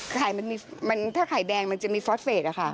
ไข่มันมีถ้าไข่แดงมันจะมีฟอสเฟสอะค่ะ